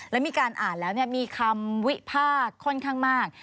แล้วมีการอ่านแล้วมีคำวิพากษ์ค่อนข้างมาก